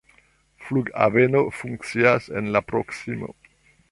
Flughaveno funkcias en la proksimo.